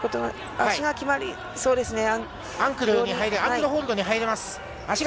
足が決アンクルホールドに入れます。